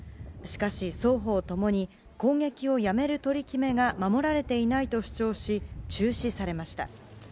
しかし、双方ともに攻撃をやめる取り決めが守られていないと主張し中止されました。